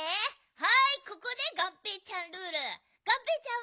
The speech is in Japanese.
はいここでがんぺーちゃんルール。